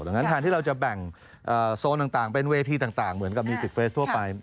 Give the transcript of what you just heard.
ดังนั้นแทนที่เราจะแบ่งโซนต่างเป็นเวทีต่างเหมือนกับมิวสิกเฟสทั่วไป